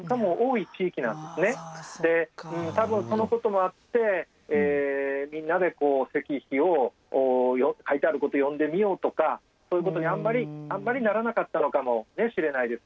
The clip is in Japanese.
で多分そのこともあってみんなで石碑を書いてあることを読んでみようとかそういうことにあんまりならなかったのかもしれないです。